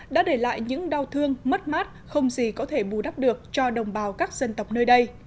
đã để lại những đau thương mất mát không gì có thể bù đắp được cho đồng bào các dân tộc nơi đây